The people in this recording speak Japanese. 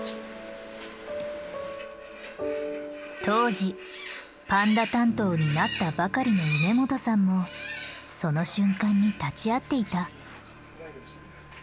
当時パンダ担当になったばかりの梅元さんもその瞬間に立ち会っていた。